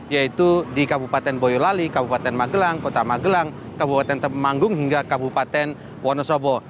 yaitu di kabupaten boyolali kabupaten magelang kota magelang kabupaten temanggung hingga kabupaten wonosobo